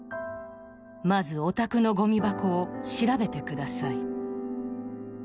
まず、お宅のごみ箱を調べてください。